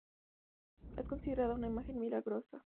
Es considerada una imagen milagrosa.